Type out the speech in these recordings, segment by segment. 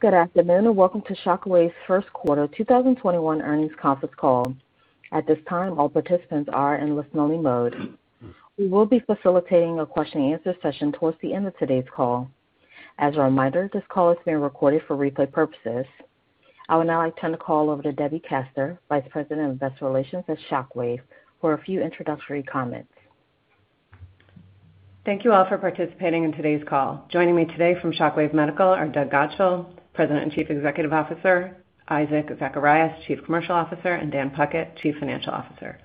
Good afternoon, welcome to Shockwave's first quarter 2021 earnings conference call. At this time, all participants are in listen-only mode. We will be facilitating a question and answer session towards the end of today's call. As a reminder, this call is being recorded for replay purposes. I would now like to turn the call over to Debbie Kaster, Vice President of Investor Relations at Shockwave, for a few introductory comments. Thank you all for participating in today's call. Joining me today from Shockwave Medical are Doug Godshall, President and Chief Executive Officer, Isaac Zacharias, Chief Commercial Officer, and Dan Puckett, Chief Financial Officer.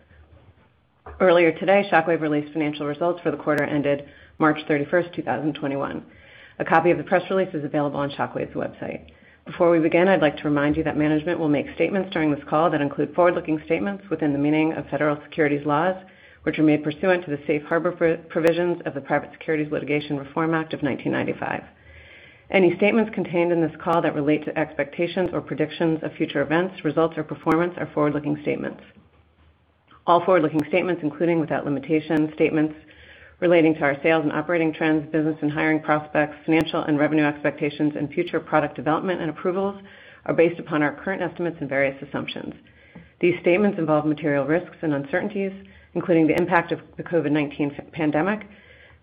Earlier today, Shockwave released financial results for the quarter ended March 31st, 2021. A copy of the press release is available on Shockwave's website. Before we begin, I'd like to remind you that management will make statements during this call that include forward-looking statements within the meaning of federal securities laws, which are made pursuant to the Safe Harbor provisions of the Private Securities Litigation Reform Act of 1995. Any statements contained in this call that relate to expectations or predictions of future events, results, or performance are forward-looking statements. All forward-looking statements, including, without limitation, statements relating to our sales and operating trends, business and hiring prospects, financial and revenue expectations, and future product development and approvals, are based upon our current estimates and various assumptions. These statements involve material risks and uncertainties, including the impact of the COVID-19 pandemic,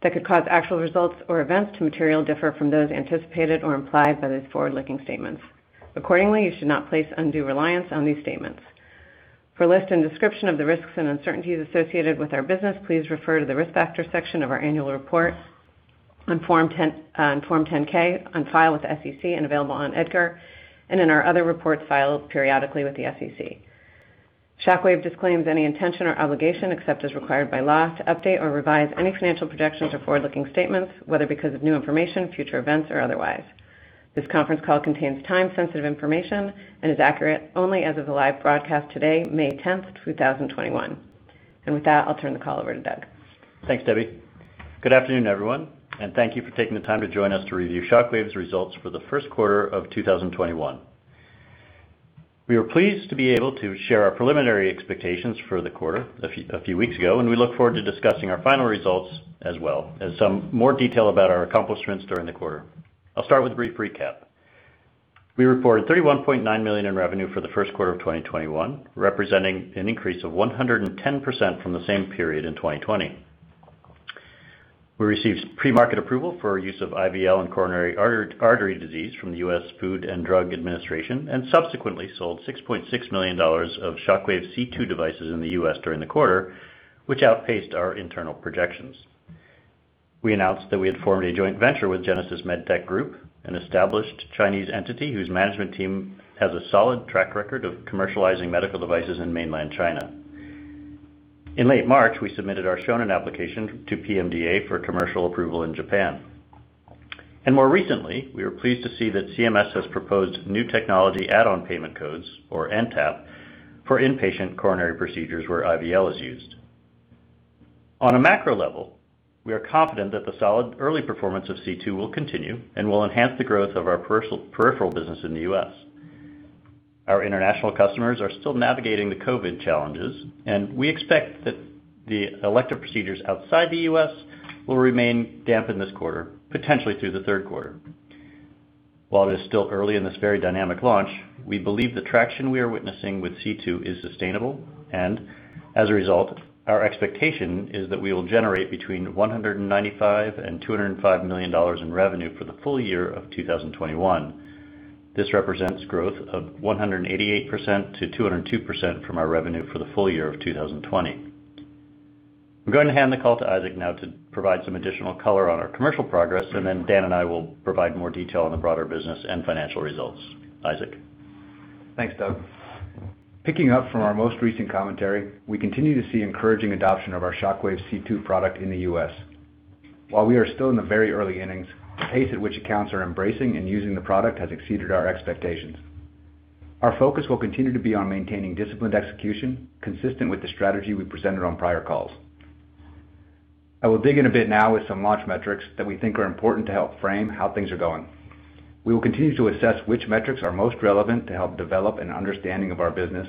that could cause actual results or events to materially differ from those anticipated or implied by these forward-looking statements. Accordingly, you should not place undue reliance on these statements. For a list and description of the risks and uncertainties associated with our business, please refer to the Risk Factors section of our annual report on Form 10-K, on file with the SEC and available on EDGAR, and in our other reports filed periodically with the SEC. Shockwave disclaims any intention or obligation, except as required by law, to update or revise any financial projections or forward-looking statements, whether because of new information, future events, or otherwise. This conference call contains time-sensitive information and is accurate only as of the live broadcast today, May 10th, 2021. With that, I'll turn the call over to Doug. Thanks, Debbie. Good afternoon, everyone, and thank you for taking the time to join us to review Shockwave's results for the first quarter of 2021. We were pleased to be able to share our preliminary expectations for the quarter a few weeks ago, and we look forward to discussing our final results as well as some more detail about our accomplishments during the quarter. I'll start with a brief recap. We reported $31.9 million in revenue for the first quarter of 2021, representing an increase of 110% from the same period in 2020. We received pre-market approval for use of IVL in coronary artery disease from the U.S. Food and Drug Administration, and subsequently sold $6.6 million of Shockwave C2 devices in the U.S. during the quarter, which outpaced our internal projections. We announced that we had formed a joint venture with Genesis MedTech Group, an established Chinese entity whose management team has a solid track record of commercializing medical devices in mainland China. In late March, we submitted our Shonin application to PMDA for commercial approval in Japan. More recently, we were pleased to see that CMS has proposed new technology add-on payment codes, or NTAP, for inpatient coronary procedures where IVL is used. On a macro level, we are confident that the solid early performance of C2 will continue and will enhance the growth of our peripheral business in the U.S. Our international customers are still navigating the COVID challenges, and we expect that the elective procedures outside the U.S. will remain damp in this quarter, potentially through the third quarter. While it is still early in this very dynamic launch, we believe the traction we are witnessing with C2 is sustainable, and as a result, our expectation is that we will generate between $195 million and $205 million in revenue for the full year of 2021. This represents growth of 188%-202% from our revenue for the full year of 2020. I'm going to hand the call to Isaac now to provide some additional color on our commercial progress, and then Dan and I will provide more detail on the broader business and financial results. Isaac. Thanks, Doug. Picking up from our most recent commentary, we continue to see encouraging adoption of our Shockwave C2 product in the U.S. While we are still in the very early innings, the pace at which accounts are embracing and using the product has exceeded our expectations. Our focus will continue to be on maintaining disciplined execution consistent with the strategy we presented on prior calls. I will dig in a bit now with some launch metrics that we think are important to help frame how things are going. We will continue to assess which metrics are most relevant to help develop an understanding of our business.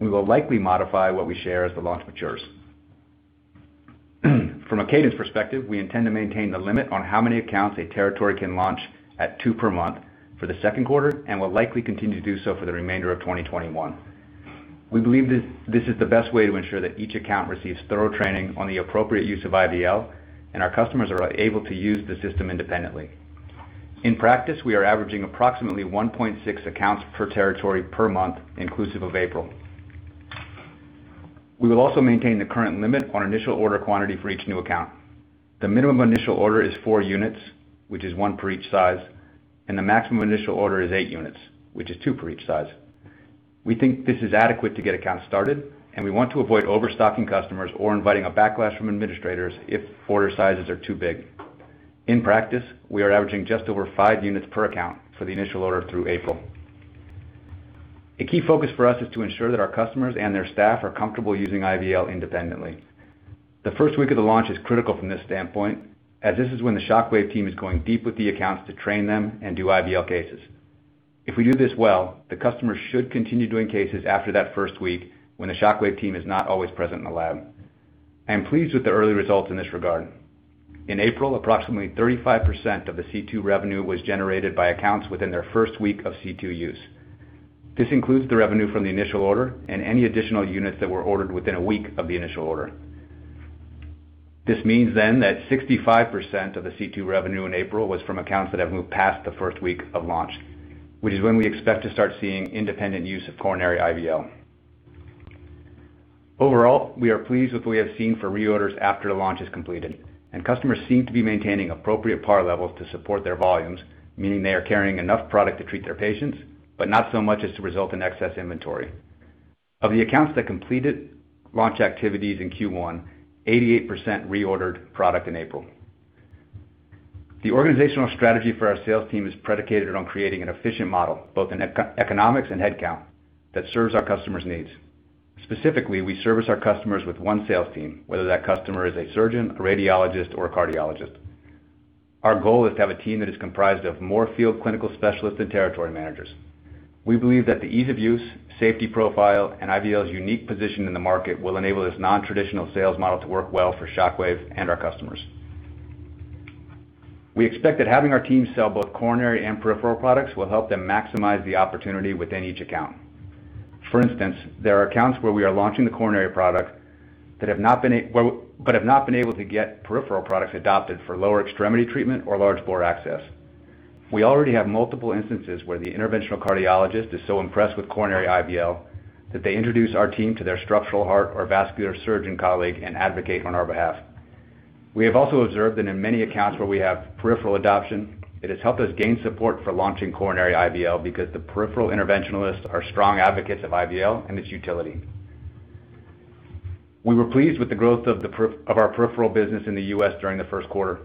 We will likely modify what we share as the launch matures. From a cadence perspective, we intend to maintain the limit on how many accounts a territory can launch at two per month for the second quarter and will likely continue to do so for the remainder of 2021. We believe this is the best way to ensure that each account receives thorough training on the appropriate use of IVL and our customers are able to use the system independently. In practice, we are averaging approximately 1.6 accounts per territory per month, inclusive of April. We will also maintain the current limit on initial order quantity for each new account. The minimum initial order is 4 units, which is 1 per each size, and the maximum initial order is 8 units, which is 2 per each size. We think this is adequate to get accounts started, and we want to avoid overstocking customers or inviting a backlash from administrators if order sizes are too big. In practice, we are averaging just over 5 units per account for the initial order through April. A key focus for us is to ensure that our customers and their staff are comfortable using IVL independently. The first week of the launch is critical from this standpoint, as this is when the Shockwave team is going deep with the accounts to train them and do IVL cases. If we do this well, the customer should continue doing cases after that first week when the Shockwave team is not always present in the lab. I'm pleased with the early results in this regard. In April, approximately 35% of the C2 revenue was generated by accounts within their first week of C2 use. This includes the revenue from the initial order and any additional units that were ordered within a week of the initial order. This means that 65% of the C2 revenue in April was from accounts that have moved past the first week of launch, which is when we expect to start seeing independent use of coronary IVL. Overall, we are pleased with what we have seen for reorders after launch is completed, and customers seem to be maintaining appropriate par levels to support their volumes, meaning they are carrying enough product to treat their patients, but not so much as to result in excess inventory. Of the accounts that completed launch activities in Q1, 88% reordered product in April. The organizational strategy for our sales team is predicated on creating an efficient model, both in economics and head count, that serves our customers' needs. Specifically, we service our customers with one sales team, whether that customer is a surgeon, a radiologist, or a cardiologist. Our goal is to have a team that is comprised of more field clinical specialists and territory managers. We believe that the ease of use, safety profile, and IVL's unique position in the market will enable this non-traditional sales model to work well for Shockwave and our customers. We expect that having our team sell both coronary and peripheral products will help them maximize the opportunity within each account. For instance, there are accounts where we are launching the coronary product but have not been able to get peripheral products adopted for lower extremity treatment or large bore access. We already have multiple instances where the interventional cardiologist is so impressed with coronary IVL that they introduce our team to their structural heart or vascular surgeon colleague and advocate on our behalf. We have also observed that in many accounts where we have peripheral adoption, it has helped us gain support for launching coronary IVL because the peripheral interventionalists are strong advocates of IVL and its utility. We were pleased with the growth of our peripheral business in the U.S. during the first quarter.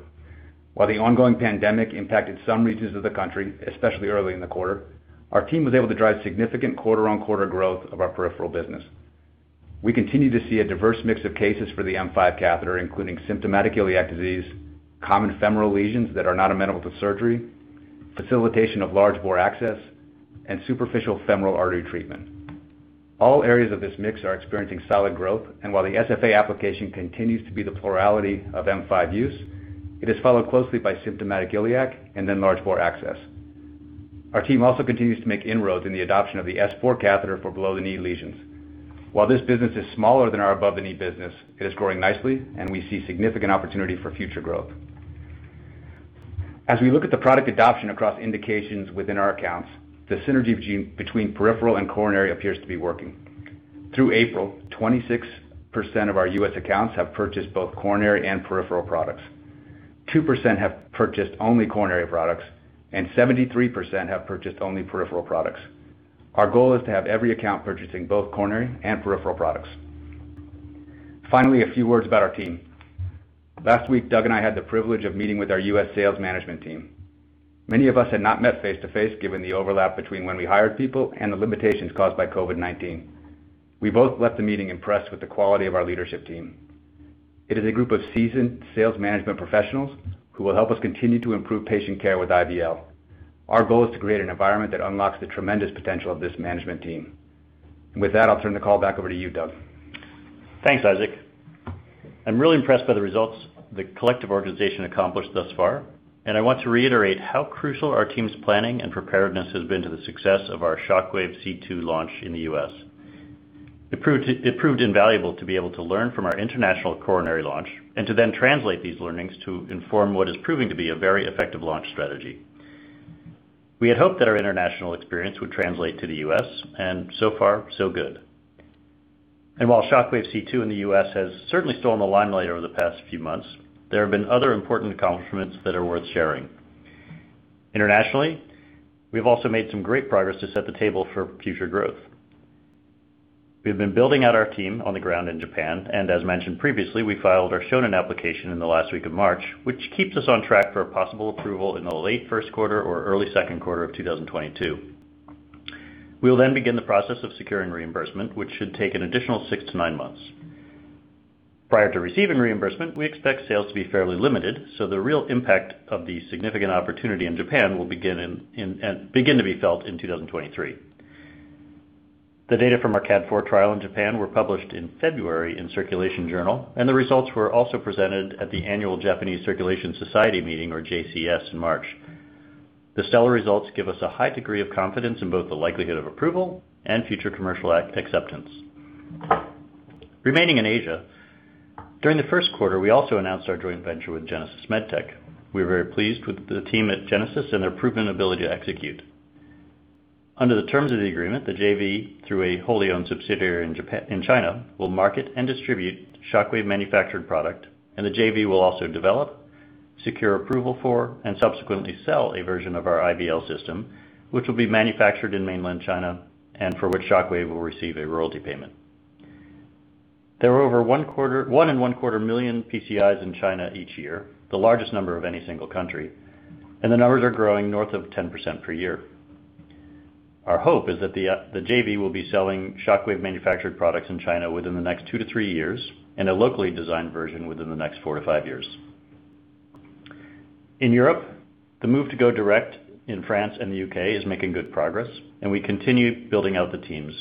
While the ongoing pandemic impacted some regions of the country, especially early in the quarter, our team was able to drive significant quarter-on-quarter growth of our peripheral business. We continue to see a diverse mix of cases for the M5 catheter, including symptomatic iliac disease, common femoral lesions that are not amenable to surgery, facilitation of large bore access, and superficial femoral artery treatment. All areas of this mix are experiencing solid growth, and while the SFA application continues to be the plurality of M5 use, it is followed closely by symptomatic iliac and then large bore access. Our team also continues to make inroads in the adoption of the S4 catheter for below-the-knee lesions. While this business is smaller than our above-the-knee business, it is growing nicely, and we see significant opportunity for future growth. As we look at the product adoption across indications within our accounts, the synergy between peripheral and coronary appears to be working. Through April, 26% of our U.S. accounts have purchased both coronary and peripheral products, 2% have purchased only coronary products, and 73% have purchased only peripheral products. Our goal is to have every account purchasing both coronary and peripheral products. Finally, a few words about our team. Last week, Doug and I had the privilege of meeting with our U.S. sales management team. Many of us had not met face to face, given the overlap between when we hired people and the limitations caused by COVID-19. We both left the meeting impressed with the quality of our leadership team. It is a group of seasoned sales management professionals who will help us continue to improve patient care with IVL. Our goal is to create an environment that unlocks the tremendous potential of this management team. With that, I'll turn the call back over to you, Doug. Thanks, Isaac. I'm really impressed by the results the collective organization accomplished thus far, and I want to reiterate how crucial our team's planning and preparedness has been to the success of our Shockwave C2 launch in the U.S. It proved invaluable to be able to learn from our international coronary launch and to then translate these learnings to inform what is proving to be a very effective launch strategy. We had hoped that our international experience would translate to the U.S., and so far, so good. While Shockwave C2 in the U.S. has certainly stolen the limelight over the past few months, there have been other important accomplishments that are worth sharing. Internationally, we've also made some great progress to set the table for future growth. We have been building out our team on the ground in Japan, and as mentioned previously, we filed our Shonin application in the last week of March, which keeps us on track for a possible approval in the late first quarter or early second quarter of 2022. We will then begin the process of securing reimbursement, which should take an additional six to nine months. Prior to receiving reimbursement, we expect sales to be fairly limited, so the real impact of the significant opportunity in Japan will begin to be felt in 2023. The data from our CAD IV trial in Japan were published in February in Circulation Journal, and the results were also presented at the annual Japanese Circulation Society meeting, or JCS, in March. The results give us a high degree of confidence in both the likelihood of approval and future commercial acceptance. Remaining in Asia, during the first quarter, we also announced our joint venture with Genesis MedTech. We are very pleased with the team at Genesis and their proven ability to execute. Under the terms of the agreement, the JV, through a wholly owned subsidiary in China, will market and distribute Shockwave manufactured product, and the JV will also develop, secure approval for, and subsequently sell a version of our IVL system, which will be manufactured in mainland China and for which Shockwave will receive a royalty payment. There are over one and one quarter million PCIs in China each year, the largest number of any single country, and the numbers are growing north of 10% per year. Our hope is that the JV will be selling Shockwave manufactured products in China within the next two to three years and a locally designed version within the next four to five years. In Europe, the move to go direct in France and the U.K. is making good progress, we continue building out the teams.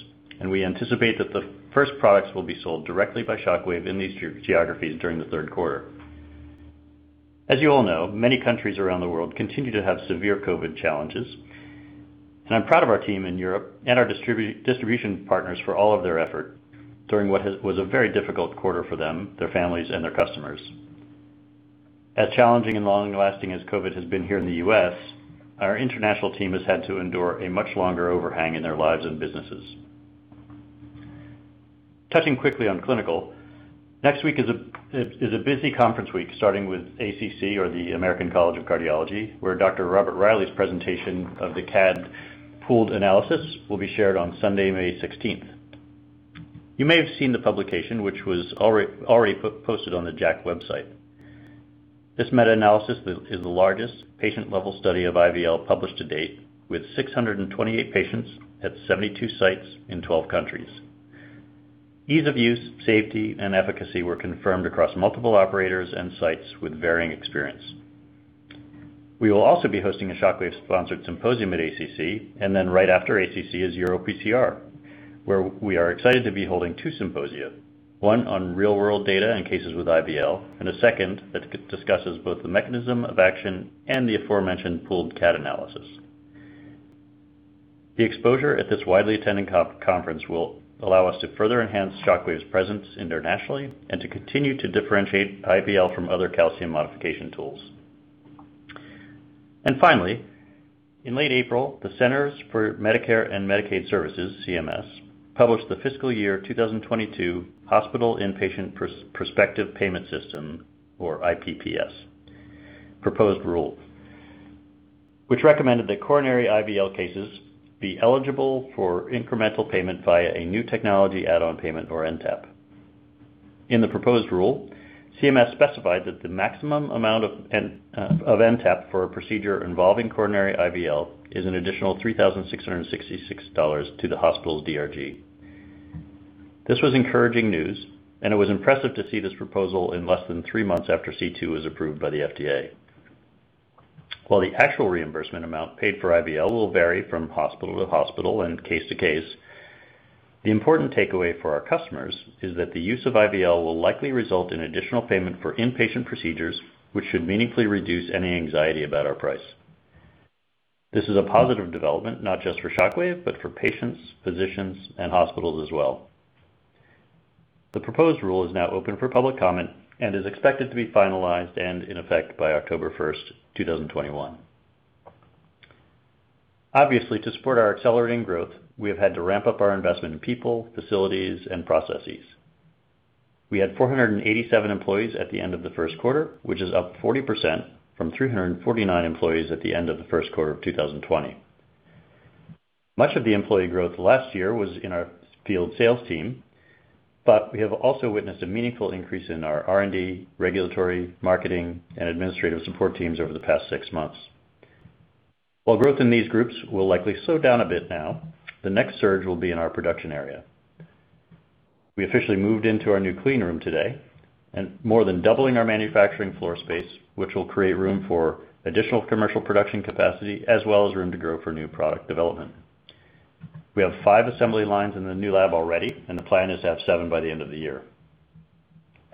We anticipate that the first products will be sold directly by Shockwave in these geographies during the third quarter. As you all know, many countries around the world continue to have severe COVID challenges, and I'm proud of our team in Europe and our distribution partners for all of their effort during what was a very difficult quarter for them, their families, and their customers. As challenging and long-lasting as COVID has been here in the U.S., our international team has had to endure a much longer overhang in their lives and businesses. Touching quickly on clinical. Next week is a busy conference week starting with ACC or the American College of Cardiology, where Dr. Robert Riley's presentation of the CAD pooled analysis will be shared on Sunday, May 16th. You may have seen the publication, which was already posted on the JACC website. This meta-analysis is the largest patient-level study of IVL published to date, with 628 patients at 72 sites in 12 countries. Ease of use, safety, and efficacy were confirmed across multiple operators and sites with varying experience. We will also be hosting a Shockwave-sponsored symposium at ACC, and then right after ACC is EuroPCR, where we are excited to be holding two symposia, one on real-world data and cases with IVL, and a second that discusses both the mechanism of action and the aforementioned pooled CAD analysis. The exposure at this widely attended conference will allow us to further enhance Shockwave's presence internationally and to continue to differentiate IVL from other calcium modification tools. Finally, in late April, the Centers for Medicare & Medicaid Services, CMS, published the fiscal year 2022 hospital Inpatient Prospective Payment System, or IPPS, proposed rule, which recommended that coronary IVL cases be eligible for incremental payment via a new technology add-on payment or NTAP. In the proposed rule, CMS specified that the maximum amount of NTAP for a procedure involving coronary IVL is an additional $3,666 to the hospital's DRG. This was encouraging news, and it was impressive to see this proposal in less than three months after C2 was approved by the FDA. While the actual reimbursement amount paid for IVL will vary from hospital to hospital and case to case, the important takeaway for our customers is that the use of IVL will likely result in additional payment for inpatient procedures, which should meaningfully reduce any anxiety about our price. This is a positive development not just for Shockwave, but for patients, physicians, and hospitals as well. The proposed rule is now open for public comment and is expected to be finalized and in effect by October 1st, 2021. To support our accelerating growth, we have had to ramp up our investment in people, facilities, and processes. We had 487 employees at the end of the first quarter, which is up 40% from 349 employees at the end of the first quarter of 2020. Much of the employee growth last year was in our field sales team, but we have also witnessed a meaningful increase in our R&D, regulatory, marketing, and administrative support teams over the past six months. While growth in these groups will likely slow down a bit now, the next surge will be in our production area. We officially moved into our new clean room today and more than doubling our manufacturing floor space, which will create room for additional commercial production capacity as well as room to grow for new product development. We have five assembly lines in the new lab already, and the plan is to have seven by the end of the year.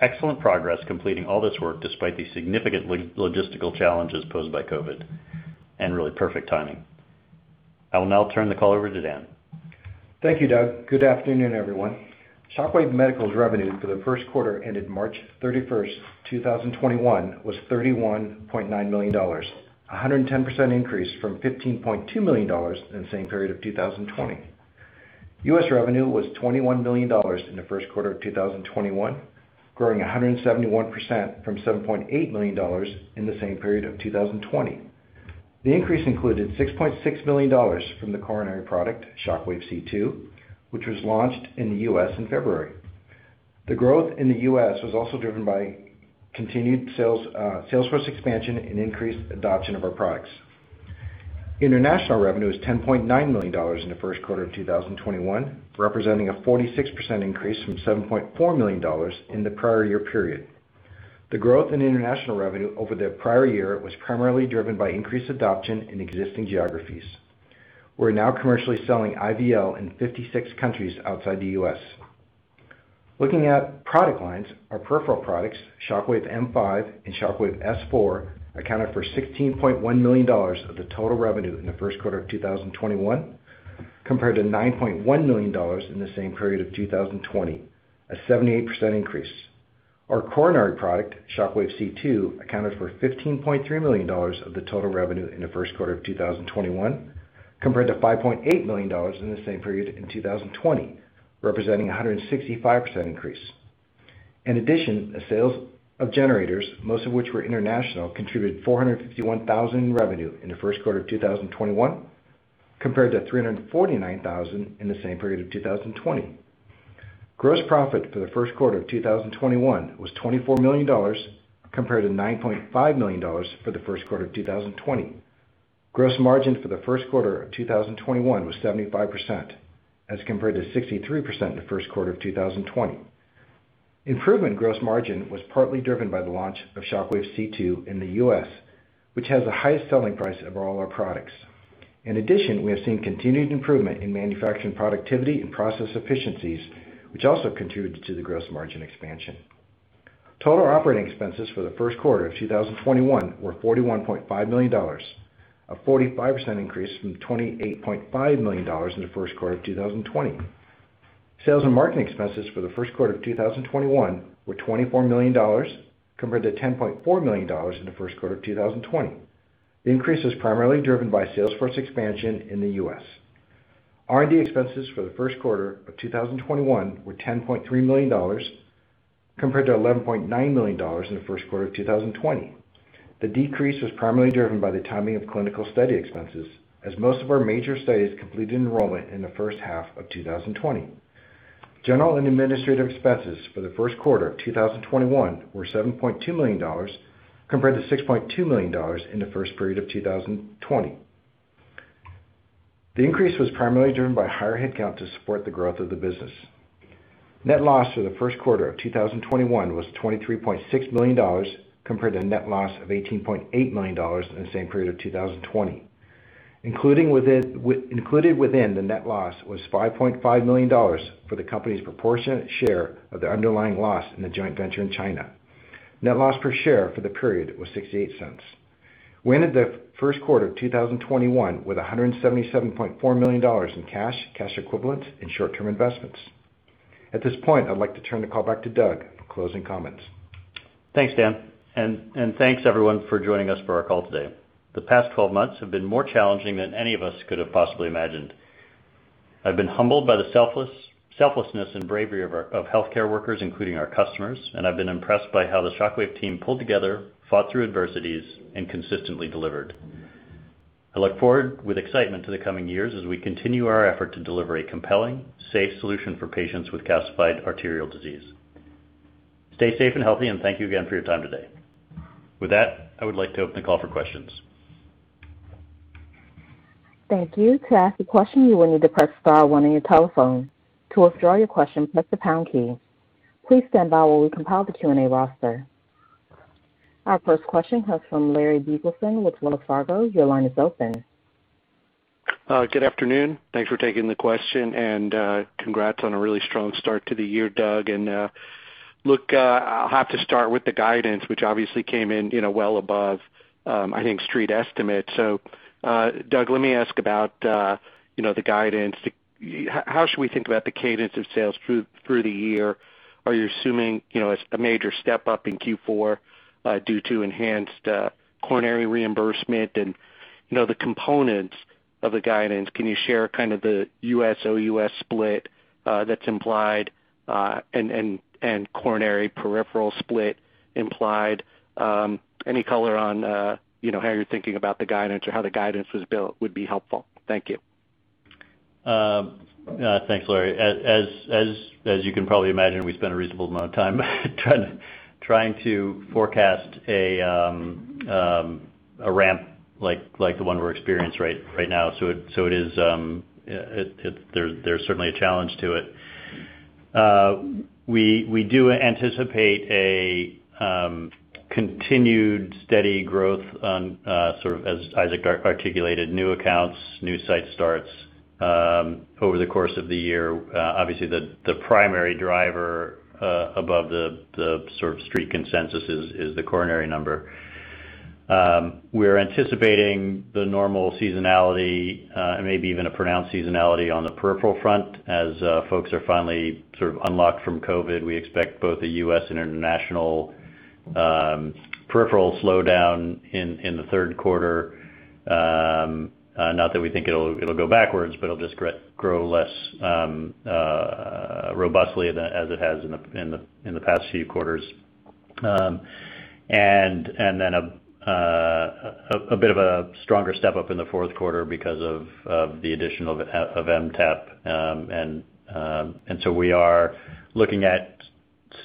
Excellent progress completing all this work despite the significant logistical challenges posed by COVID, and really perfect timing. I will now turn the call over to Dan. Thank you, Doug. Good afternoon, everyone. Shockwave Medical's revenue for the first quarter ended March 31st, 2021, was $31.9 million, 110% increase from $15.2 million in the same period of 2020. U.S. revenue was $21 million in the first quarter of 2021, growing 171% from $7.8 million in the same period of 2020. The increase included $6.6 million from the coronary product, Shockwave C2, which was launched in the U.S. in February. The growth in the U.S. was also driven by continued sales force expansion and increased adoption of our products. International revenue is $10.9 million in the first quarter of 2021, representing a 46% increase from $7.4 million in the prior year period. The growth in international revenue over the prior year was primarily driven by increased adoption in existing geographies. We're now commercially selling IVL in 56 countries outside the U.S. Looking at product lines, our peripheral products, Shockwave M5 and Shockwave S4, accounted for $16.1 million of the total revenue in the first quarter of 2021, compared to $9.1 million in the same period of 2020, a 78% increase. Our coronary product, Shockwave C2, accounted for $15.3 million of the total revenue in the first quarter of 2021, compared to $5.8 million in the same period in 2020, representing 165% increase. In addition, the sales of generators, most of which were international, contributed $451,000 in revenue in the first quarter of 2021, compared to $349,000 in the same period of 2020. Gross profit for the first quarter of 2021 was $24 million, compared to $9.5 million for the first quarter of 2020. Gross margin for the first quarter of 2021 was 75%, as compared to 63% in the first quarter of 2020. Improvement in gross margin was partly driven by the launch of Shockwave C2 in the U.S., which has the highest selling price of all our products. In addition, we have seen continued improvement in manufacturing productivity and process efficiencies, which also contributed to the gross margin expansion. Total operating expenses for the first quarter of 2021 were $41.5 million, a 45% increase from $28.5 million in the first quarter of 2020. Sales and marketing expenses for the first quarter of 2021 were $24 million, compared to $10.4 million in the first quarter of 2020. The increase was primarily driven by sales force expansion in the U.S. R&D expenses for the first quarter of 2021 were $10.3 million, compared to $11.9 million in the first quarter of 2020. The decrease was primarily driven by the timing of clinical study expenses, as most of our major studies completed enrollment in the first half of 2020. General and administrative expenses for the first quarter of 2021 were $7.2 million, compared to $6.2 million in the first period of 2020. The increase was primarily driven by higher headcount to support the growth of the business. Net loss for the first quarter of 2021 was $23.6 million, compared to net loss of $18.8 million in the same period of 2020. Included within the net loss was $5.5 million for the company's proportionate share of the underlying loss in the joint venture in China. Net loss per share for the period was $0.68. We ended the first quarter of 2021 with $177.4 million in cash equivalents, and short-term investments. At this point, I'd like to turn the call back to Doug for closing comments. Thanks, Dan. Thanks, everyone, for joining us for our call today. The past 12 months have been more challenging than any of us could have possibly imagined. I've been humbled by the selflessness and bravery of healthcare workers, including our customers, and I've been impressed by how the Shockwave team pulled together, fought through adversities, and consistently delivered. I look forward with excitement to the coming years as we continue our effort to deliver a compelling, safe solution for patients with calcified arterial disease. Stay safe and healthy, and thank you again for your time today. With that, I would like to open the call for questions. Thank you. To ask a question, you will need to press star one on your telephone. To withdraw your question, press the pound key. Please stand by while we compile the Q&A roster. Our first question comes from Larry Biegelsen with Wells Fargo. Your line is open. Good afternoon. Thanks for taking the question, and congrats on a really strong start to the year, Doug. Look, I'll have to start with the guidance, which obviously came in well above, I think, Street estimates. Doug, let me ask about the guidance. How should we think about the cadence of sales through the year? Are you assuming a major step-up in Q4 due to enhanced coronary reimbursement? The components of the guidance, can you share kind of the U.S., OUS split that's implied and coronary peripheral split implied? Any color on how you're thinking about the guidance or how the guidance was built would be helpful. Thank you. Thanks, Larry. As you can probably imagine, we spent a reasonable amount of time trying to forecast a ramp like the one we're experiencing right now. There's certainly a challenge to it. We do anticipate a continued steady growth on, sort of as Isaac articulated, new accounts, new site starts over the course of the year. Obviously, the primary driver above the sort of street consensus is the coronary number. We're anticipating the normal seasonality and maybe even a pronounced seasonality on the peripheral front as folks are finally sort of unlocked from COVID-19. We expect both the U.S. and international peripheral slowdown in the third quarter. Not that we think it'll go backwards, but it'll just grow less robustly as it has in the past few quarters. Then a bit of a stronger step-up in the fourth quarter because of the addition of NTAP. We are looking at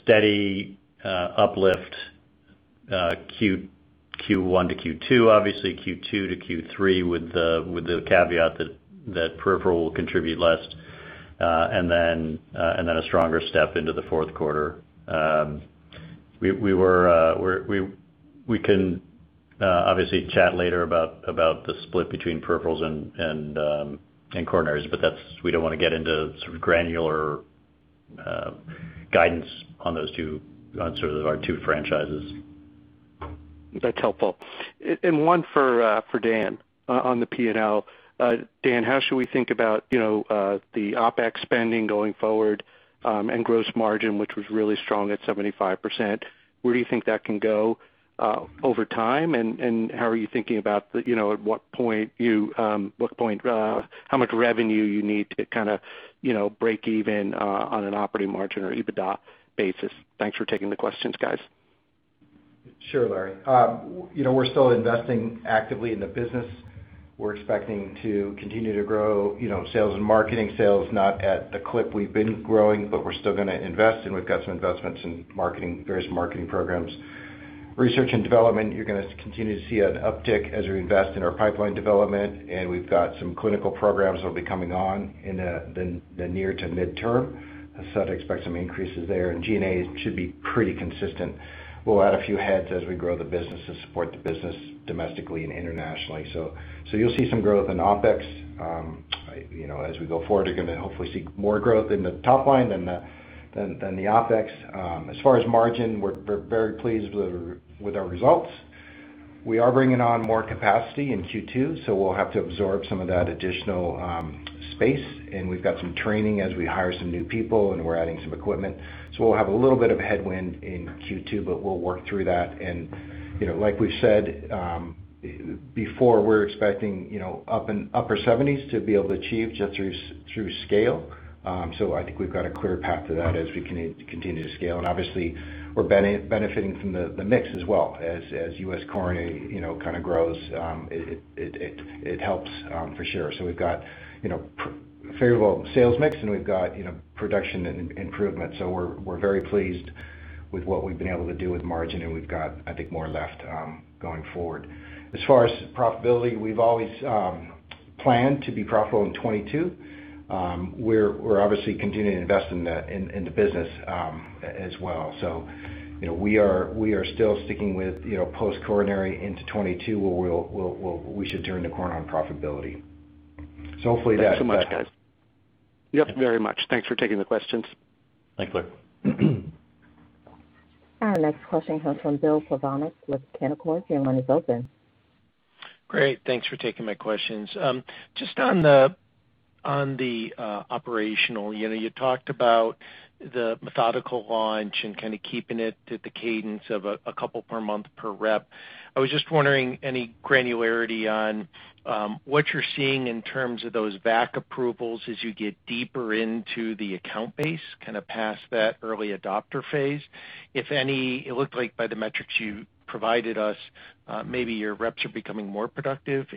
steady uplift Q1 to Q2, obviously Q2 to Q3 with the caveat that peripheral will contribute less. A stronger step into the fourth quarter. We can obviously chat later about the split between peripherals and coronaries, but we don't want to get into sort of granular guidance on our two franchises. That's helpful. One for Dan on the P&L. Dan, how should we think about the OpEx spending going forward and gross margin, which was really strong at 75%? Where do you think that can go over time? How are you thinking about how much revenue you need to kind of break even on an operating margin or EBITDA basis? Thanks for taking the questions, guys. Sure, Larry. We're still investing actively in the business. We're expecting to continue to grow sales and marketing. Sales not at the clip we've been growing, but we're still going to invest, and we've got some investments in various marketing programs. Research and development, you're going to continue to see an uptick as we invest in our pipeline development, and we've got some clinical programs that'll be coming on in the near to midterm. I'd expect some increases there, and G&A should be pretty consistent. We'll add a few heads as we grow the business to support the business domestically and internationally. You'll see some growth in OpEx. As we go forward, you're going to hopefully see more growth in the top line than the OpEx. As far as margin, we're very pleased with our results. We are bringing on more capacity in Q2, so we'll have to absorb some of that additional space. We've got some training as we hire some new people, and we're adding some equipment. We'll have a little bit of a headwind in Q2, but we'll work through that. Like we've said before, we're expecting upper 70s to be able to achieve just through scale. I think we've got a clear path to that as we continue to scale. Obviously we're benefiting from the mix as well as U.S. coronary kind of grows, it helps for sure. We've got favorable sales mix and we've got production improvement. We're very pleased with what we've been able to do with margin, and we've got, I think, more left going forward. As far as profitability, we've always planned to be profitable in 2022. We're obviously continuing to invest in the business as well. We are still sticking with post-coronary into 2022, where we should turn the corner on profitability. Thanks so much, guys. Yep, very much. Thanks for taking the questions. Thank you. Our next question comes from Bill Plovanic with Canaccord. Your line is open. Great. Thanks for taking my questions. Just on the operational, you talked about the methodical launch and kind of keeping it to the cadence of a couple per month per rep. I was just wondering, any granularity on what you're seeing in terms of those VAC approvals as you get deeper into the account base, kind of past that early adopter phase? It looked like by the metrics you provided us, maybe your reps are becoming more productive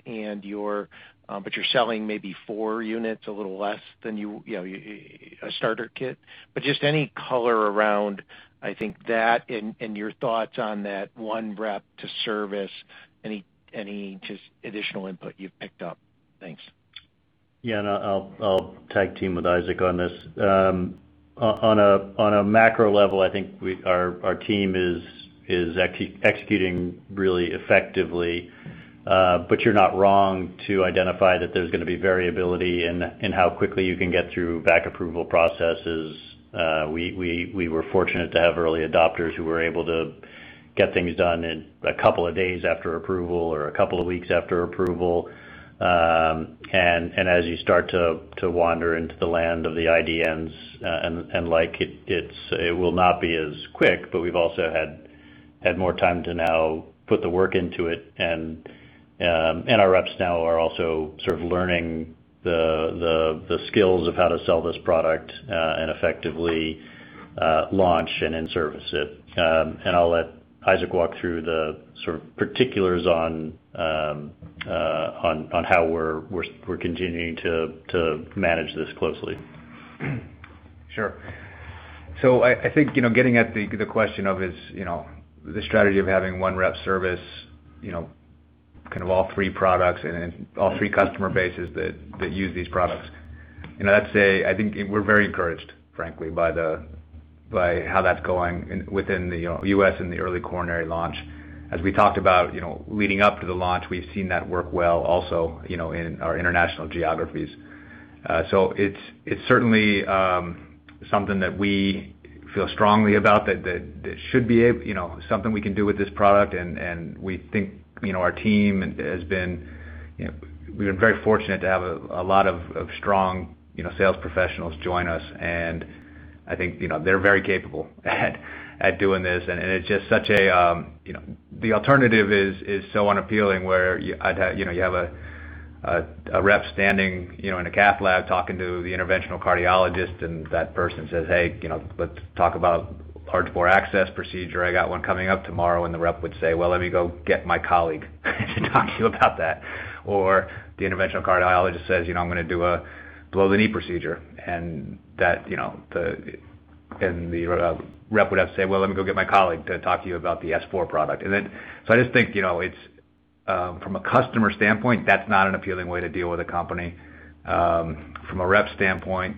but you're selling maybe four units, a little less than a starter kit. Just any color around, I think, that and your thoughts on that one rep to service. Any just additional input you've picked up. Thanks. Yeah. I'll tag team with Isaac on this. On a macro level, I think our team is executing really effectively. You're not wrong to identify that there's going to be variability in how quickly you can get through VAC approval processes. We were fortunate to have early adopters who were able to get things done in a couple of days after approval or a couple of weeks after approval. As you start to wander into the land of the IDNs and like, it will not be as quick, but we've also had more time to now put the work into it. Our reps now are also sort of learning the skills of how to sell this product and effectively launch and then service it. I'll let Isaac walk through the sort of particulars on how we're continuing to manage this closely. Sure. I think getting at the question of the strategy of having one rep service kind of all three products and all three customer bases that use these products. I'd say, I think we're very encouraged, frankly, by how that's going within the U.S. and the early coronary launch. As we talked about leading up to the launch, we've seen that work well also in our international geographies. It's certainly something that we feel strongly about that should be something we can do with this product, and we think our team has been very fortunate to have a lot of strong sales professionals join us, and I think they're very capable at doing this. The alternative is so unappealing where you have a rep standing in a cath lab talking to the interventional cardiologist, and that person says, "Hey, let's talk about large bore access procedure. I got one coming up tomorrow." The rep would say, "Well, let me go get my colleague to talk to you about that." The interventional cardiologist says, "I'm going to do a below-the-knee procedure." The rep would have to say, "Well, let me go get my colleague to talk to you about the S4 product." I just think from a customer standpoint, that's not an appealing way to deal with a company. From a rep standpoint,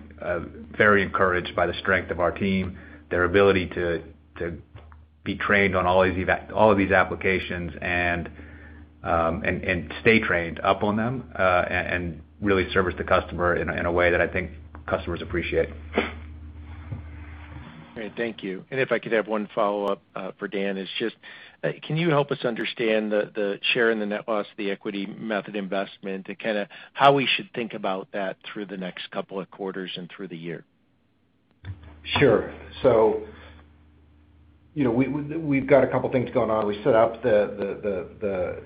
very encouraged by the strength of our team, their ability to be trained on all of these applications and stay trained up on them, and really service the customer in a way that I think customers appreciate. Great. Thank you. If I could have one follow-up for Dan, can you help us understand the share in the net loss, the equity method investment, and kind of how we should think about that through the next couple of quarters and through the year? Sure. We've got a couple things going on. We set up the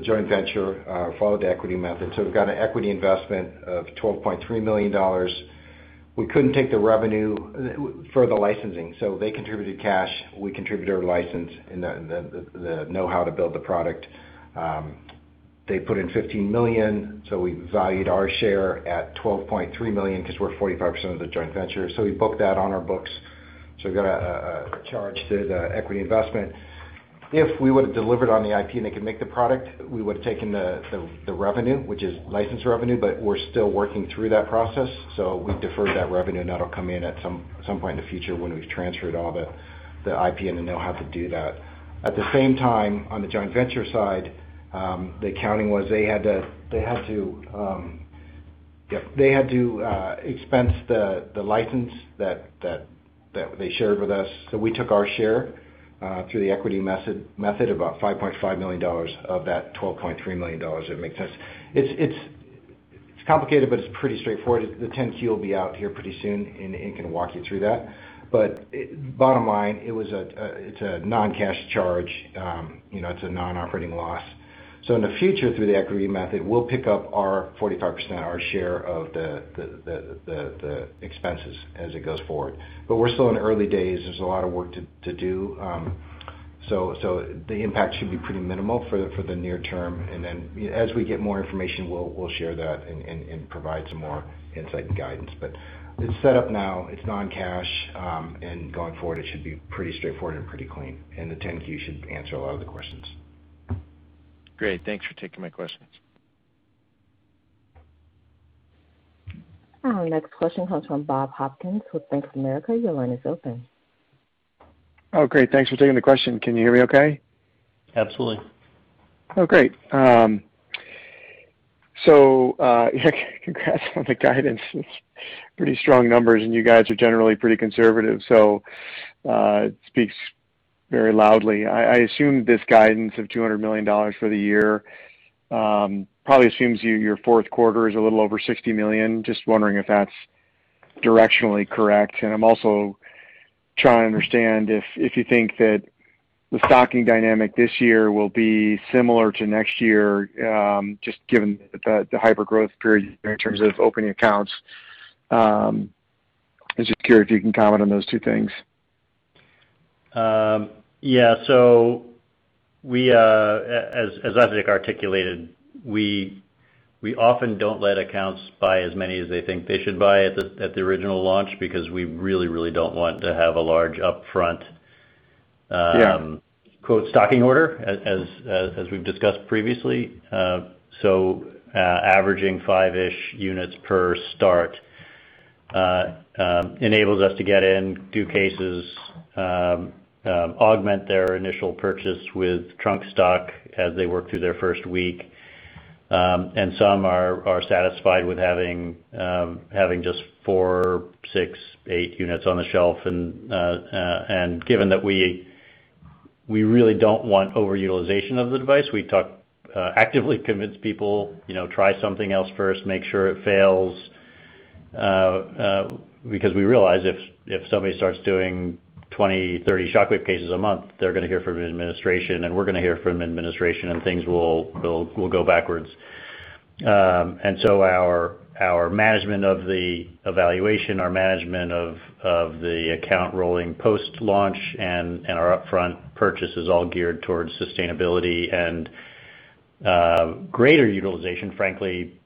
joint venture, followed the equity method. We've got an equity investment of $12.3 million. We couldn't take the revenue for the licensing, so they contributed cash, we contributed our license and the knowhow to build the product. They put in $15 million, so we valued our share at $12.3 million because we're 45% of the joint venture. We booked that on our books, so we got a charge to the equity investment. If we would've delivered on the IP and they could make the product, we would've taken the revenue, which is licensed revenue, but we're still working through that process. We deferred that revenue and that'll come in at some point in the future when we've transferred all the IP and then they'll have to do that. At the same time, on the joint venture side, the accounting was they had to expense the license that they shared with us. We took our share, through the equity method, about $5.5 million of that $12.3 million, if that makes sense. It's complicated, but it's pretty straightforward. The 10-Q will be out here pretty soon, and it can walk you through that. Bottom line, it's a non-cash charge. It's a non-operating loss. In the future, through the equity method, we'll pick up our 45%, our share of the expenses as it goes forward. We're still in the early days. There's a lot of work to do. The impact should be pretty minimal for the near term. As we get more information, we'll share that and provide some more insight and guidance. It's set up now, it's non-cash, and going forward, it should be pretty straightforward and pretty clean. The 10-Q should answer a lot of the questions. Great. Thanks for taking my questions. Our next question comes from Bob Hopkins with Bank of America. Your line is open. Oh, great. Thanks for taking the question. Can you hear me okay? Absolutely. Oh, great. Congrats on the guidance. Pretty strong numbers, and you guys are generally pretty conservative, so it speaks very loudly. I assume this guidance of $200 million for the year probably assumes your fourth quarter is a little over $60 million. Just wondering if that's directionally correct, and I'm also trying to understand if you think that the stocking dynamic this year will be similar to next year, just given the hyper-growth period in terms of opening accounts. I'm just curious if you can comment on those two things. As Isaac articulated, we often don't let accounts buy as many as they think they should buy at the original launch because we really don't want to have a large upfront. Yeah quote, stocking order, as we've discussed previously. Averaging five-ish units per start enables us to get in, do cases, augment their initial purchase with trunk stock as they work through their first week. Some are satisfied with having just four, six, eight units on the shelf. Given that we really don't want over-utilization of the device, we actively convince people, try something else first, make sure it fails. We realize if somebody starts doing 20, 30 ShockWave cases a month, they're going to hear from administration, and we're going to hear from administration and things will go backwards. Our management of the evaluation, our management of the account rolling post-launch, and our upfront purchase is all geared towards sustainability and greater utilization, frankly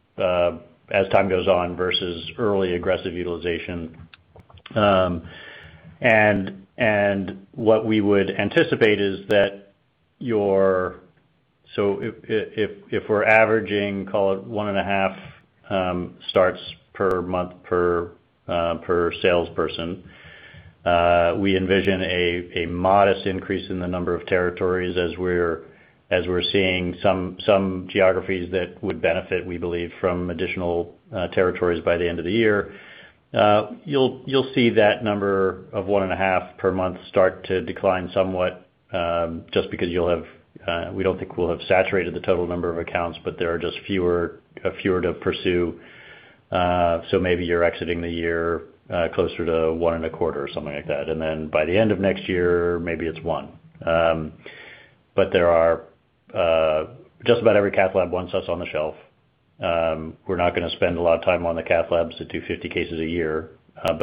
as time goes on versus early aggressive utilization. If we're averaging, call it one and a half starts per month per salesperson, we envision a modest increase in the number of territories as we're seeing some geographies that would benefit, we believe, from additional territories by the end of the year. You'll see that number of one and a half per month start to decline somewhat, just because we don't think we'll have saturated the total number of accounts, but there are just fewer to pursue. Maybe you're exiting the year closer to one and a quarter or something like that. By the end of next year, maybe it's one. Just about every cath lab wants us on the shelf. We're not going to spend a lot of time on the cath labs that do 50 cases a year.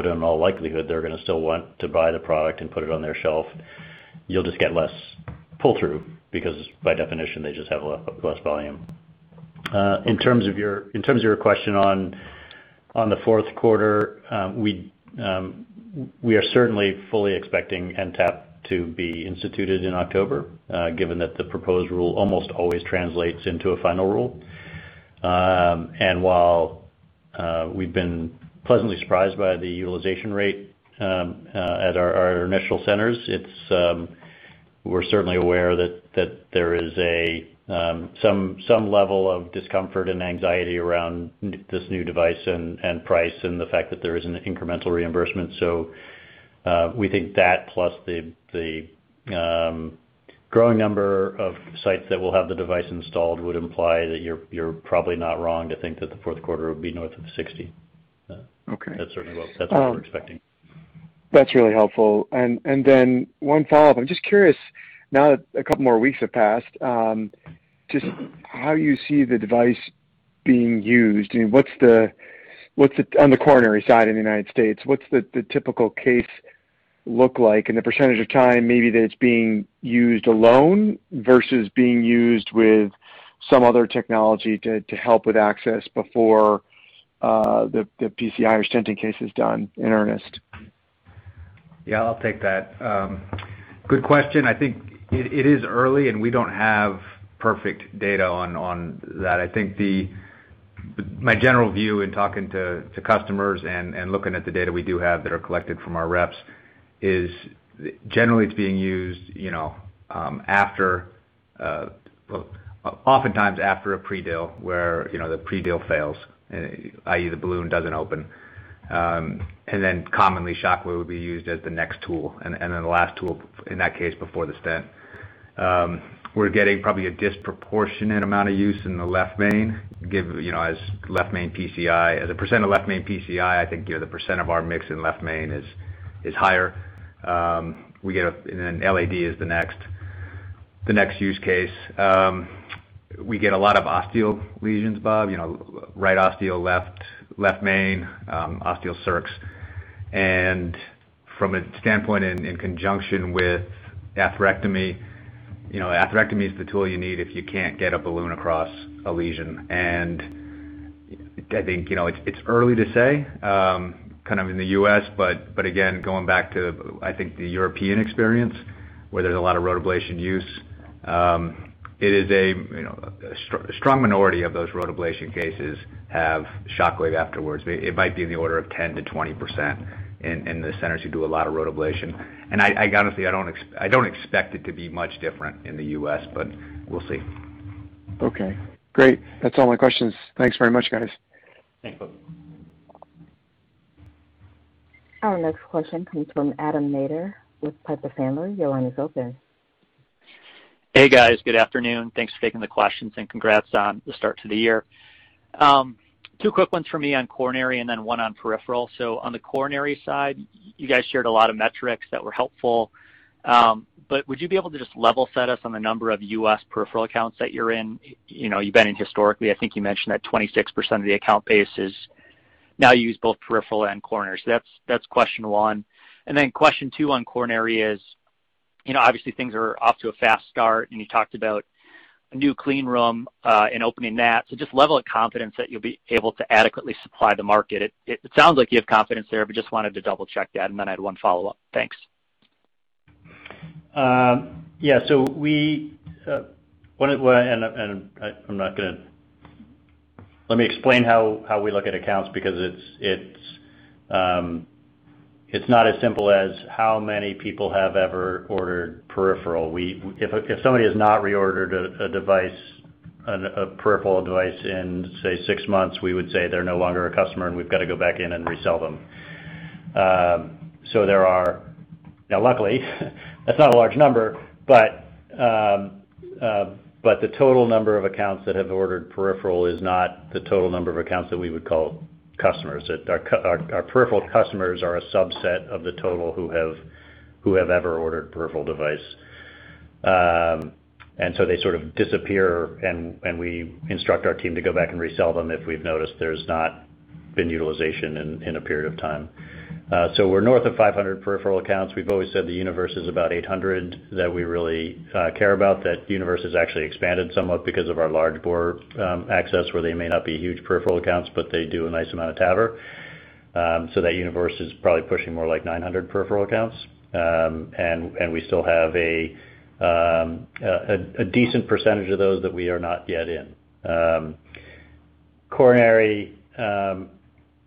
In all likelihood, they're going to still want to buy the product and put it on their shelf. You'll just get less pull-through because by definition, they just have less volume. In terms of your question on the fourth quarter, we are certainly fully expecting NTAP to be instituted in October, given that the proposed rule almost always translates into a final rule. While we've been pleasantly surprised by the utilization rate at our initial centers, we're certainly aware that there is some level of discomfort and anxiety around this new device and price and the fact that there is an incremental reimbursement. We think that plus the growing number of sites that will have the device installed would imply that you're probably not wrong to think that the fourth quarter would be north of 60. Okay. That's what we're expecting. That's really helpful. Then one follow-up. I'm just curious, now that a couple more weeks have passed, just how you see the device being used. On the coronary side in the United States, what's the typical case look like, and the percentage of time maybe that it's being used alone versus being used with some other technology to help with access before the PCI or stenting case is done in earnest? Yeah, I'll take that. Good question. I think it is early, and we don't have perfect data on that. I think my general view in talking to customers and looking at the data we do have that are collected from our reps is generally it's being used oftentimes after a pre-dil where the pre-dil fails, i.e., the balloon doesn't open. Commonly ShockWave would be used as the next tool, and then the last tool, in that case, before the stent. We're getting probably a disproportionate amount of use in the left main, as a % of left main PCI, I think the % of our mix in left main is higher. LAD is the next use case. We get a lot of ostial lesions, Bob. Right ostial, left main, ostial circs. From a standpoint in conjunction with atherectomy is the tool you need if you can't get a balloon across a lesion. I think it's early to say in the U.S., but again, going back to, I think the European experience, where there's a lot of rotablation use, a strong minority of those rotablation cases have Shockwave afterwards. It might be in the order of 10%-20% in the centers who do a lot of rotablation. I honestly, I don't expect it to be much different in the U.S., but we'll see. Okay, great. That's all my questions. Thanks very much, guys. Thanks, Bob. Our next question comes from Adam Maeder with Piper Sandler. Your line is open. Hey, guys. Good afternoon. Thanks for taking the questions, and congrats on the start to the year. Two quick ones for me on coronary and then one on peripheral. On the coronary side, you guys shared a lot of metrics that were helpful. Would you be able to just level set us on the number of U.S. peripheral accounts that you're in? You've been in historically, I think you mentioned that 26% of the account base is now used both peripheral and coronary. That's question one. Question two on coronary is, obviously things are off to a fast start, and you talked about a new clean room and opening that. Just level of confidence that you'll be able to adequately supply the market. It sounds like you have confidence there, but just wanted to double-check that, and then I had one follow-up. Thanks. Yeah. Let me explain how we look at accounts, because it's not as simple as how many people have ever ordered peripheral. If somebody has not reordered a peripheral device in, say, six months, we would say they're no longer a customer, and we've got to go back in and resell them. Luckily that's not a large number, the total number of accounts that have ordered peripheral is not the total number of accounts that we would call customers. Our peripheral customers are a subset of the total who have ever ordered peripheral device. They sort of disappear, and we instruct our team to go back and resell them if we've noticed there's not been utilization in a period of time. We're north of 500 peripheral accounts. We've always said the universe is about 800 that we really care about. That universe has actually expanded somewhat because of our large bore access, where they may not be huge peripheral accounts, but they do a nice amount of TAVR. That universe is probably pushing more like 900 peripheral accounts. We still have a decent percentage of those that we are not yet in. Coronary.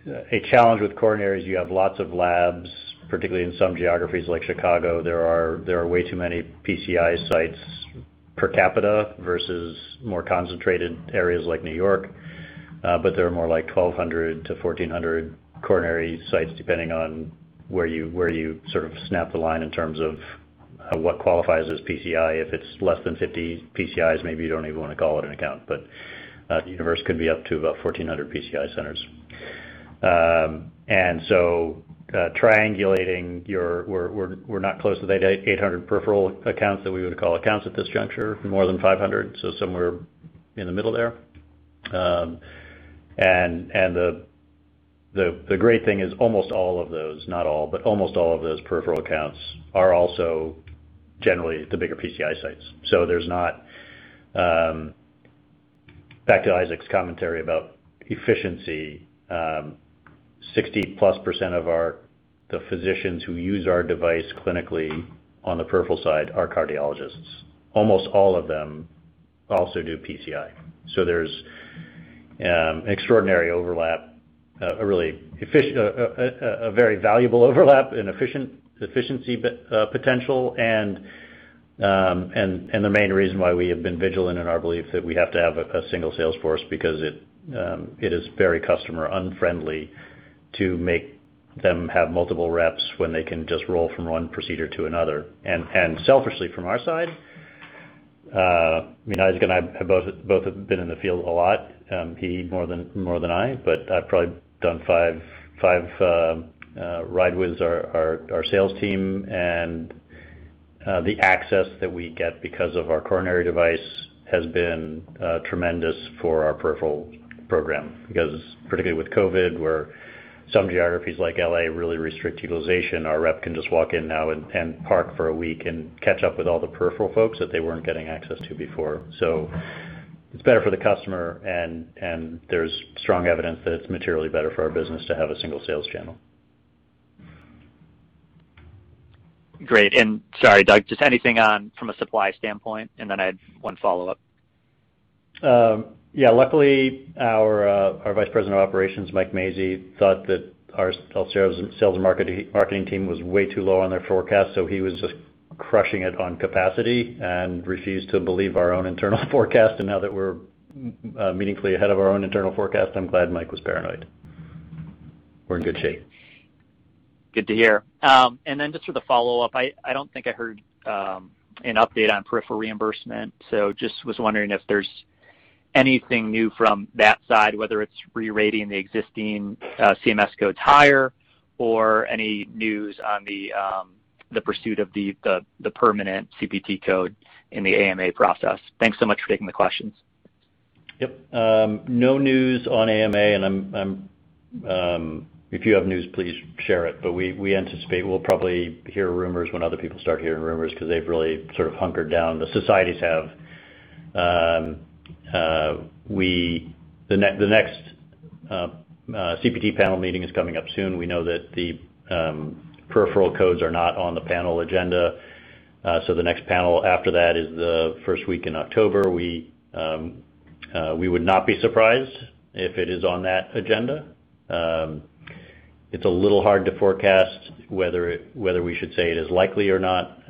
A challenge with coronary is you have lots of labs, particularly in some geographies like Chicago, there are way too many PCI sites per capita versus more concentrated areas like New York. There are more like 1,200 to 1,400 coronary sites, depending on where you sort of snap the line in terms of what qualifies as PCI. If it's less than 50 PCIs, maybe you don't even want to call it an account. The universe could be up to about 1,400 PCI centers. Triangulating, we're not close to the 800 peripheral accounts that we would call accounts at this juncture. More than 500, so somewhere in the middle there. The great thing is almost all of those, not all, but almost all of those peripheral accounts are also generally the bigger PCI sites. Back to Isaac's commentary about efficiency, 60%+ of the physicians who use our device clinically on the peripheral side are cardiologists. Almost all of them also do PCI. There's extraordinary overlap, a very valuable overlap in efficiency potential, and the main reason why we have been vigilant in our belief that we have to have a single sales force because it is very customer unfriendly to make them have multiple reps when they can just roll from one procedure to another. Selfishly, from our side, Isaac and I both have been in the field a lot. He more than I, but I've probably done five ride-withs our sales team. The access that we get because of our coronary device has been tremendous for our peripheral program. Particularly with COVID-19, where some geographies like L.A. really restrict utilization, our rep can just walk in now and park for a week and catch up with all the peripheral folks that they weren't getting access to before. It's better for the customer, and there's strong evidence that it's materially better for our business to have a single sales channel. Great. Sorry, Doug, just anything on from a supply standpoint, and then I had one follow-up. Yeah. Luckily, our Vice President of Operations, Mike Maszy, thought that our sales and marketing team was way too low on their forecast. He was just crushing it on capacity and refused to believe our own internal forecast. Now that we're meaningfully ahead of our own internal forecast, I'm glad Mike was paranoid. We're in good shape. Good to hear. Just for the follow-up, I don't think I heard an update on peripheral reimbursement. Just was wondering if there's anything new from that side, whether it's rerating the existing CMS codes higher or any news on the pursuit of the permanent CPT code in the AMA process. Thanks so much for taking the questions. Yep. No news on AMA. If you have news, please share it. We anticipate we'll probably hear rumors when other people start hearing rumors because they've really sort of hunkered down. The societies have. The next CPT panel meeting is coming up soon. We know that the peripheral codes are not on the panel agenda. The next panel after that is the first week in October. We would not be surprised if it is on that agenda. It's a little hard to forecast whether we should say it is likely or not,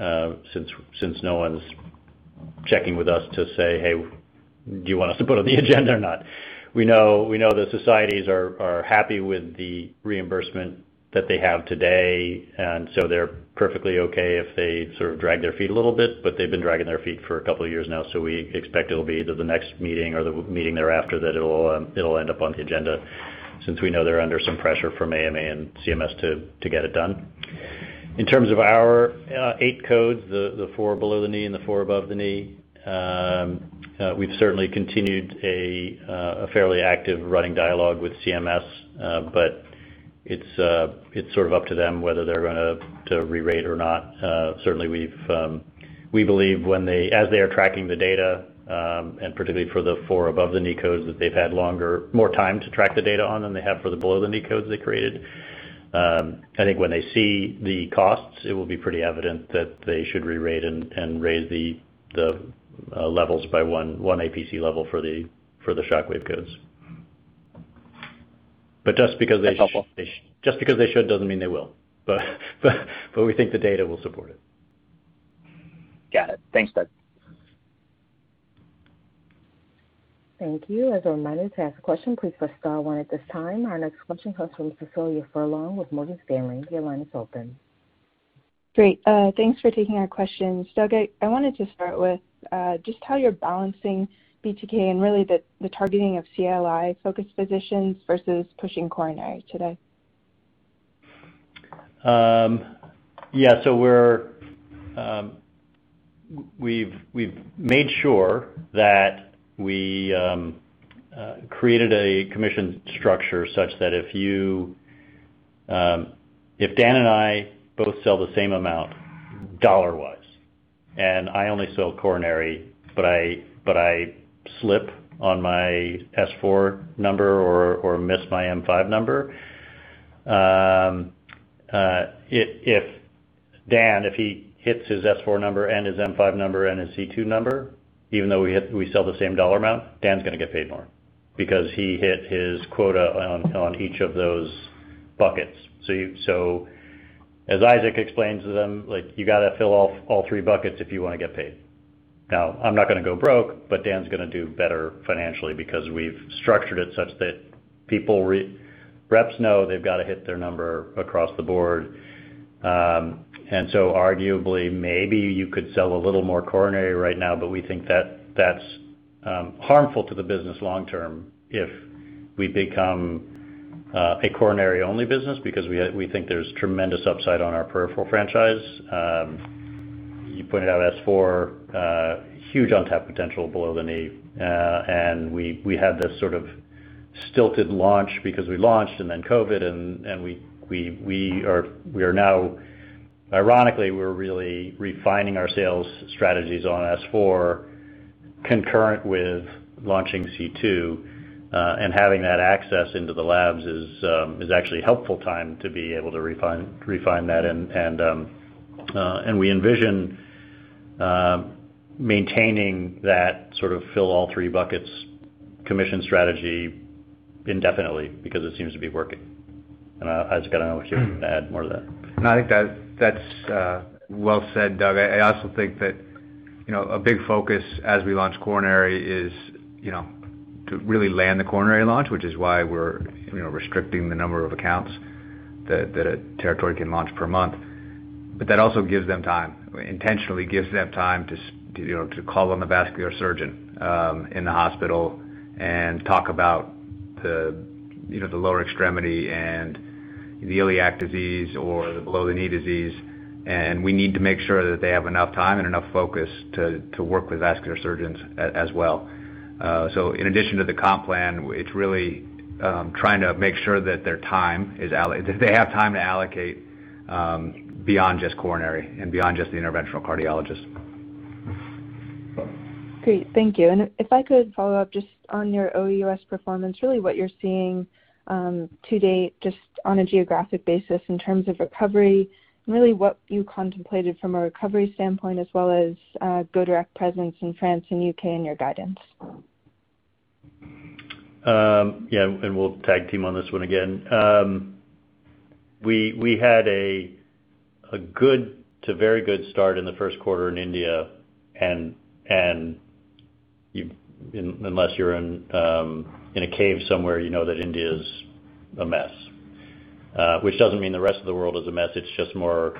since no one's checking with us to say, "Hey, do you want us to put on the agenda or not?" We know the societies are happy with the reimbursement that they have today, and so they're perfectly okay if they sort of drag their feet a little bit, but they've been dragging their feet for a couple of years now, so we expect it'll be either the next meeting or the meeting thereafter that it'll end up on the agenda since we know they're under some pressure from AMA and CMS to get it done. In terms of our eight codes, the four below the knee and the four above the knee, we've certainly continued a fairly active running dialogue with CMS. It's sort of up to them whether they're going to re-rate or not. Certainly we believe as they are tracking the data, and particularly for the 4 above the knee codes, that they've had more time to track the data on than they have for the below the knee codes they created. I think when they see the costs, it will be pretty evident that they should re-rate and raise the levels by 1 APC level for the Shockwave codes. Just because they should doesn't mean they will. We think the data will support it. Got it. Thanks, Doug. Thank you. Our next question comes from Cecilia Furlong with Morgan Stanley. Great. Thanks for taking our questions. Doug, I wanted to start with just how you're balancing BTK and really the targeting of CLI-focused physicians versus pushing coronary today. Yeah. We've made sure that we created a commission structure such that if Dan and I both sell the same amount dollar-wise, and I only sell coronary, but I slip on my S4 number or miss my M5 number. Dan, if he hits his S4 number and his M5 number and his C2 number, even though we sell the same dollar amount, Dan's going to get paid more because he hit his quota on each of those buckets. As Isaac explains to them, like, you got to fill all three buckets if you want to get paid. I'm not going to go broke, but Dan's going to do better financially because we've structured it such that reps know they've got to hit their number across the board. Arguably, maybe you could sell a little more coronary right now, but we think that's harmful to the business long term if we become a coronary-only business because we think there's tremendous upside on our peripheral franchise. You pointed out S4, huge untapped potential below the knee. We had this sort of stilted launch because we launched and then COVID, and ironically, we're really refining our sales strategies on S4 concurrent with launching C2. Having that access into the labs is actually a helpful time to be able to refine that. We envision maintaining that sort of fill all three buckets commission strategy indefinitely because it seems to be working. Isaac, I don't know what you want to add more to that. No, I think that's well said, Doug. I also think that a big focus as we launch coronary is to really land the coronary launch, which is why we're restricting the number of accounts that a territory can launch per month. That also gives them time. Intentionally gives them time to call on the vascular surgeon in the hospital and talk about the lower extremity and the iliac disease or the below-the-knee disease. We need to make sure that they have enough time and enough focus to work with vascular surgeons as well. In addition to the comp plan, it's really trying to make sure that their time that they have time to allocate beyond just coronary and beyond just the interventional cardiologist. Great. Thank you. If I could follow up just on your OUS performance, really what you're seeing to date, just on a geographic basis in terms of recovery and really what you contemplated from a recovery standpoint as well as go-direct presence in France and U.K. and your guidance. Yeah. We'll tag team on this one again. We had a good to very good start in the first quarter in India. Unless you're in a cave somewhere, you know that India's a mess. Which doesn't mean the rest of the world is a mess, it's just more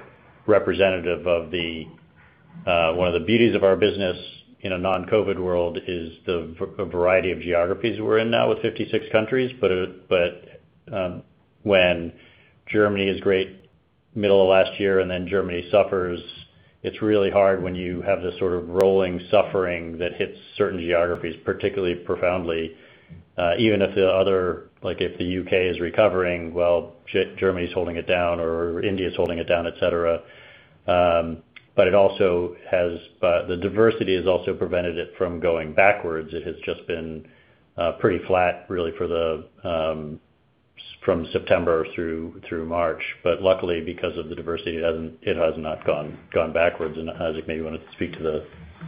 representative of one of the beauties of our business in a non-COVID world is the variety of geographies we're in now with 56 countries. When Germany is great middle of last year and then Germany suffers, it's really hard when you have this sort of rolling suffering that hits certain geographies particularly profoundly, even if the other, like if the U.K. is recovering, well, Germany's holding it down or India's holding it down, et cetera. The diversity has also prevented it from going backwards. It has just been pretty flat, really, from September through March. Luckily, because of the diversity, it has not gone backwards. Isaac, maybe you want to speak to the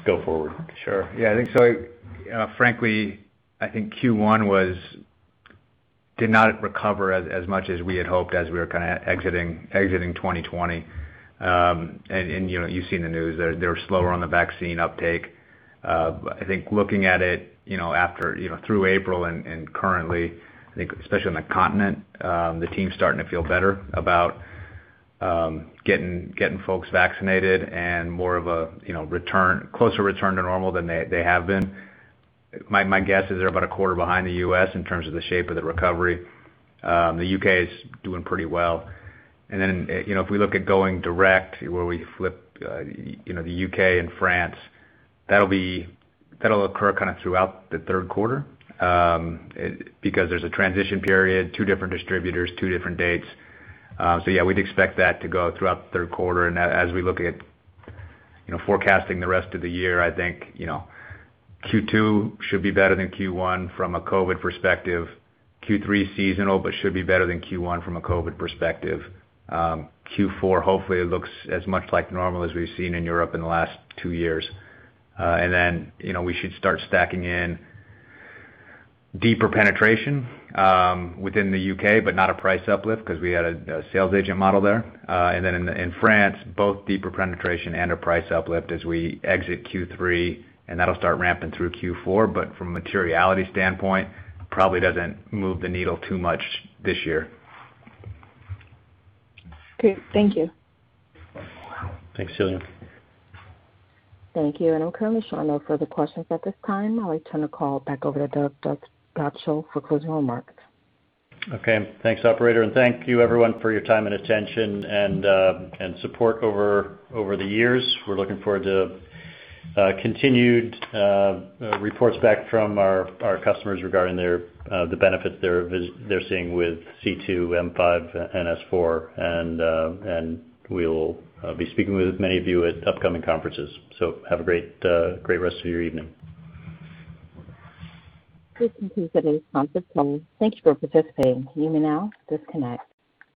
go forward. Sure. Yeah, I think so. Frankly, I think Q1 did not recover as much as we had hoped as we were kind of exiting 2020. You've seen the news. They were slower on the vaccine uptake. I think looking at it through April and currently, I think especially on the continent, the team's starting to feel better about getting folks vaccinated and more of a closer return to normal than they have been. My guess is they're about a quarter behind the U.S. in terms of the shape of the recovery. The U.K. is doing pretty well. If we look at going direct, where we flip the U.K. and France, that'll occur kind of throughout the third quarter, because there's a transition period, two different distributors, two different dates. We'd expect that to go throughout the third quarter. As we look at forecasting the rest of the year, I think Q2 should be better than Q1 from a COVID perspective. Q3, seasonal, but should be better than Q1 from a COVID perspective. Q4, hopefully it looks as much like normal as we've seen in Europe in the last two years. We should start stacking in deeper penetration within the U.K., but not a price uplift because we had a sales agent model there. In France, both deeper penetration and a price uplift as we exit Q3, and that'll start ramping through Q4. From a materiality standpoint, probably doesn't move the needle too much this year. Great. Thank you. Thanks, Cecilia. Thank you. I'm currently showing no further questions at this time. I'll return the call back over to Doug Godshall for closing remarks. Okay. Thanks, operator. Thank you everyone for your time and attention and support over the years. We're looking forward to continued reports back from our customers regarding the benefits they're seeing with C2, M5, and S4. We'll be speaking with many of you at upcoming conferences. Have a great rest of your evening. This concludes today's conference call. Thank you for participating. You may now disconnect.